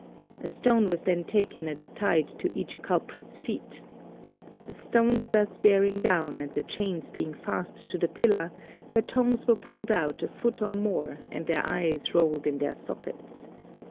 A stone was then taken and tied to each culprit's feet. The stones thus bearing down, and the chains being fast to the pillar, their tongues were pulled out a foot or more, and their eyes rolled in their sockets.